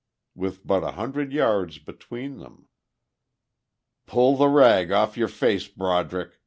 With but a hundred yards between them.... "Pull the rag off your face, Broderick!"